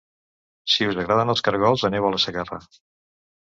Si us agraden els cargols aneu a La Segarra